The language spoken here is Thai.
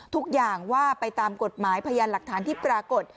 ทุกอย่างว่าไปตามกฎหมายพยานหลักฐานที่ปรากฏ